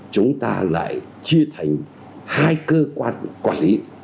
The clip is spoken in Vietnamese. chúng ta lại chia thành hai cơ quan quản lý